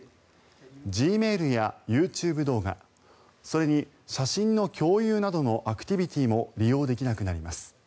ＧｍａｉｌやＹｏｕＴｕｂｅ動画それに写真の共有などのアクティビティーも利用できなくなります。